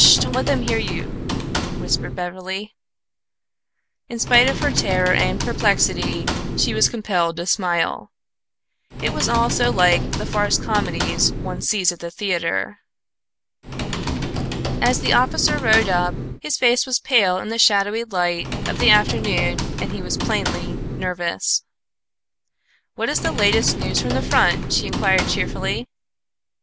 Don't let them hear you," whispered Beverly. In spite of her terror and perplexity, she was compelled to smile. It was all so like the farce comedies one sees at the theatre. As the officer rode up, his face was pale in the shadowy light of the afternoon and he was plainly nervous. "What is the latest news from the front?" she inquired cheerfully.